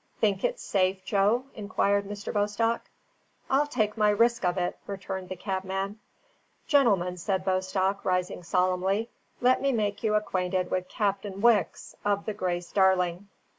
"Think it safe, Joe?" inquired Mr. Bostock. "I'll take my risk of it," returned the cabman. "Gentlemen," said Bostock, rising solemnly, "let me make you acquainted with Captain Wicks of the Grace Darling."